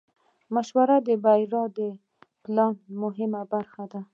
مشوره د بریالي پلان مهمه برخه ده.